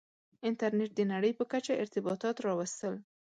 • انټرنېټ د نړۍ په کچه ارتباطات راوستل.